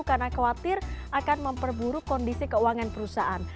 karena khawatir akan memperburuk kondisi keuangan perusahaan